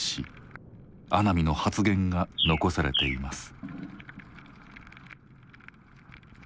阿南の発言が残されています。